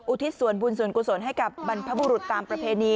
ทิศส่วนบุญส่วนกุศลให้กับบรรพบุรุษตามประเพณี